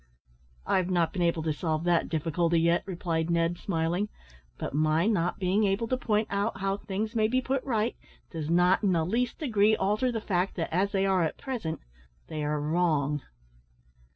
"I've not been able to solve that difficulty yet," replied Ned, smiling; "but my not being able to point out how things may be put right, does not, in the least degree, alter the fact that, as they are at present, they are wrong."